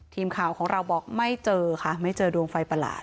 ทีมข่าวของเราบอกไม่เจอค่ะไม่เจอดวงไฟประหลาด